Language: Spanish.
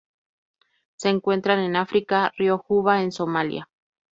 Se encuentran en África: río Juba en Somalia.